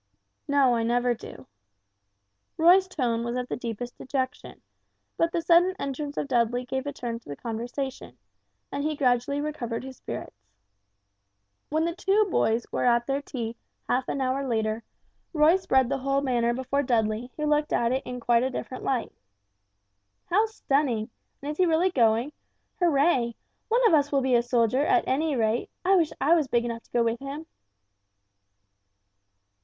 "No, I never do." Roy's tone was of the deepest dejection; but the sudden entrance of Dudley gave a turn to the conversation, and he gradually recovered his spirits. When the two boys were at their tea half an hour later, Roy spread the whole matter before Dudley who looked at it in quite a different light. "How stunning! And is he really going? Hurray! One of us will be a soldier, at any rate. I wish I was big enough to go with him."